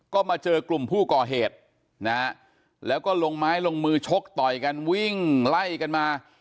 ก็มาเจอกลุ่มผู้ก่อเหตุนะฮะแล้วก็ลงไม้ลงมือชกต่อยกันวิ่งไล่กันมา